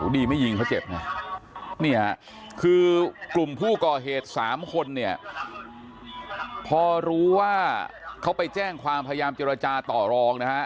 ดีไม่ยิงเขาเจ็บนะเนี่ยคือกลุ่มผู้ก่อเหตุ๓คนเนี่ยพอรู้ว่าเขาไปแจ้งความพยายามเจรจาต่อรองนะฮะ